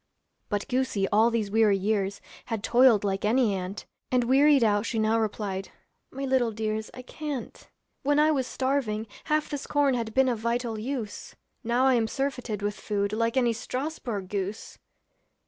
But goosey all these weary years Had toiled like any ant, And wearied out she now replied, 'My little dears, I can't. 'When I was starving, half this corn Had been of vital use, Now I am surfeited with food Like any Strasbourg goose.'